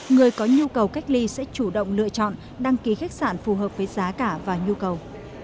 người có nhu cầu cách ly sẽ chủ động lựa chọn đăng ký khách sạn phù hợp với giá cả và nhu cầu